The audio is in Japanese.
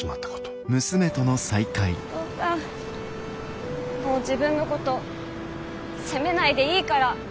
お父さんもう自分のこと責めないでいいから。